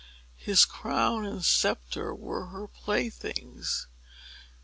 His crown and sceptre were her playthings.